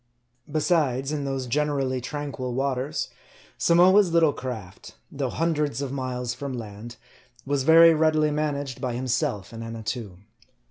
Besides, in those generally tranquil waters, Samoa's little craft, though hundreds of miles from land, was very readily managed by himself and Annatoo.